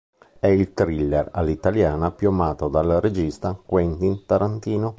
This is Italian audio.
È il thriller all' italiana più amato dal regista Quentin Tarantino.